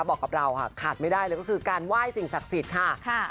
บอกกับเราค่ะขาดไม่ได้เลยก็คือการไหว้สิ่งศักดิ์สิทธิ์ค่ะ